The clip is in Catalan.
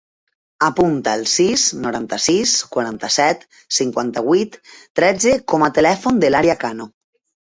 Apunta el sis, noranta-sis, quaranta-set, cinquanta-vuit, tretze com a telèfon de l'Aria Cano.